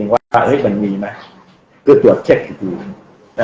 ว่าเห้ยมันมีไหมคือตรวจทาง